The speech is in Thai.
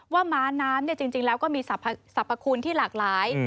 ม้าน้ำจริงแล้วก็มีสรรพคุณที่หลากหลาย